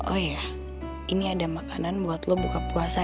oh iya ini ada makanan buat lo buka puasa